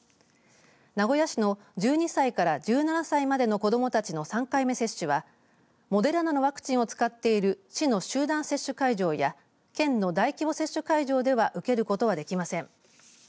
名古屋市の１２歳から１７歳までの子どもたちの３回目接種はモデルナのワクチンを使っている市の集団接種会場や県の大規模接種会場では受けることはできません。